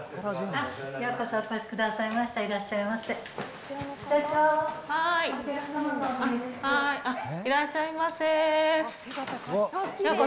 いらっしゃいませ。